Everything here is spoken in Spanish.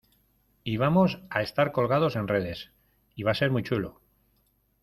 y vamos a estar colgados en redes, y va a ser muy chulo.